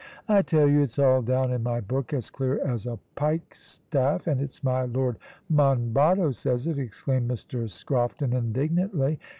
"I tell you it's all down in my book as clear as a pikestaff, and it's my Lord Monboddo says it," exclaimed Mr Scrofton indignantly.